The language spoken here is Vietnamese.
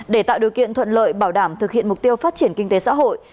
để tạo điều kiện thuận lợi bảo đảm thực hiện mục tiêu phát triển kinh tế xã hội